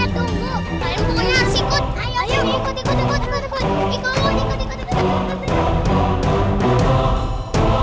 sampai jumpa di video selanjutnya